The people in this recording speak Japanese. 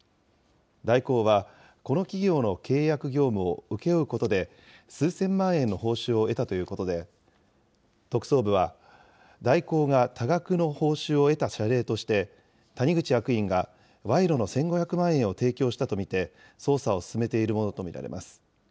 大広は、この企業の契約業務を請け負うことで、数千万円の報酬を得たということで、特捜部は大広が多額の報酬を得た謝礼として、谷口役員が賄賂の１５００万円を提供したと見て、捜査を進めているものと見られます。